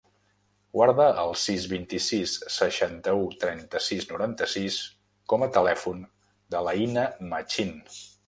Guarda el sis, vint-i-sis, seixanta-u, trenta-sis, noranta-sis com a telèfon de l'Aïna Machin.